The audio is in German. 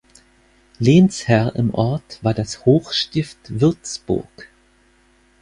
Lehnsherr im Ort war das Hochstift Würzburg.